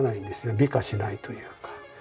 美化しないというか。